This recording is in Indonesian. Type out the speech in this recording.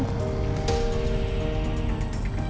tapi baju kamu dimana